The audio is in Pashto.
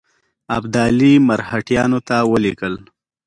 ابدالي مرهټیانو ته ولیکل.